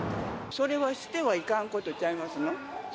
それはしてはいかんことちゃいますの？